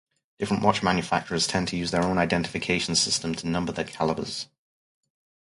Different watch manufacturers tend to use their own identification system to number their calibers.